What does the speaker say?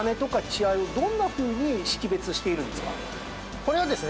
これはですね